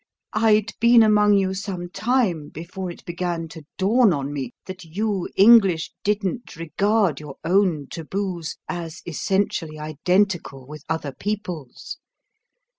"I'd been among you some time before it began to dawn on me that you English didn't regard your own taboos as essentially identical with other people's.